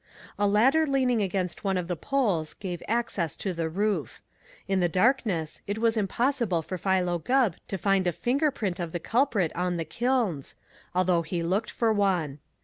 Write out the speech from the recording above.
A ladder leaning against one of the poles gave access to the roof. In the darkness it was impossible for Philo Gubb to find a finger print of the culprit on the kilns, although he looked for one.